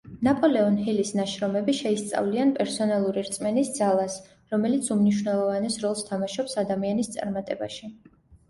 ნაპოლეონ ჰილის ნაშრომები შეისწავლიან პერსონალური რწმენის ძალას რომელიც უმნიშვნელოვანეს როლს თამაშობს ადამიანის წარმატებაში.